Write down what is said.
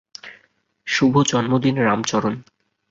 শুভ জন্মদিন রাম চরণ